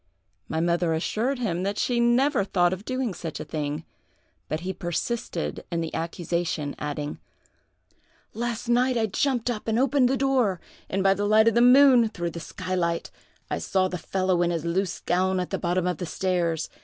My mother assured him that she never thought of doing such a thing; but he persisted in the accusation, adding: 'Last night I jumped up and opened the door, and, by the light of the moon through the skylight, I saw the fellow in his loose gown at the bottom of the stairs.